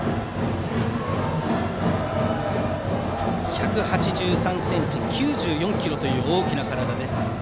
１８３ｃｍ、９４ｋｇという大きな体です、熊谷。